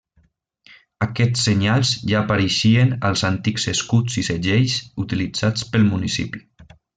Aquests senyals ja apareixien als antics escuts i segells utilitzats pel municipi.